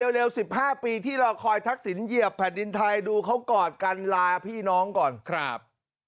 เร็ว๑๕ปีที่รอคอยทักษิณเหยียบแผ่นดินไทยดูเขากอดกันลาพี่น้องก่อนครับ